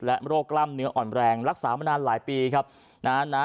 โรคกล้ามเนื้ออ่อนแรงรักษามานานหลายปีครับนะฮะ